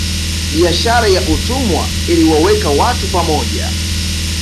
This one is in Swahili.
Biashara ya utumwa iliwaweka watu pamoja